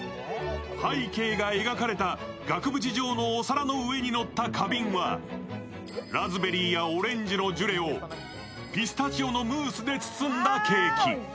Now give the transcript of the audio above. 背景が描かれた額縁状のお皿の上にのった花瓶は、ラズベリーやオレンジのジュレをピスタチオのムースで包んだケーキ。